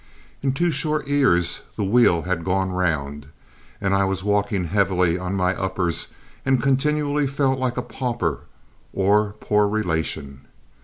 In two short years the wheel had gone round, and I was walking heavily on my uppers and continually felt like a pauper or poor relation.